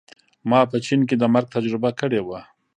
ما په چین کې د مرګ تجربه کړې وه